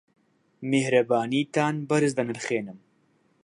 میهرەبانیتان بەرز دەنرخێنم.